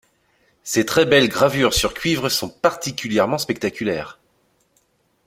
Ses très belles gravures sur cuivre sont particulièrement spectaculaires.